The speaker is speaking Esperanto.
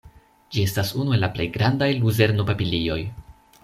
Ĝi estas unu el la plej grandaj luzerno-papilioj.